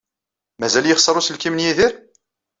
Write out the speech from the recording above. Mazal yexṣer uselkim n Yidir?